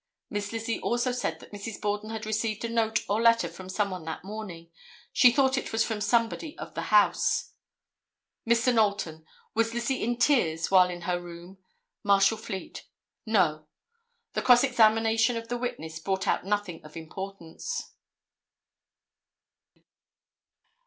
Miss Lizzie also said that Mrs. Borden had received a note or letter from some one that morning. She thought it was from somebody of the house." Mr. Knowlton—"Was Lizzie in tears while in her room." Marshal Fleet—"No." The cross examination of the witness brought out nothing of importance.